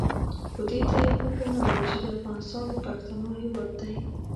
خو دې ته یې فکر نه وو چې افغانستان د پښتنو هېواد دی.